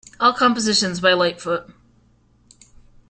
All compositions by Lightfoot.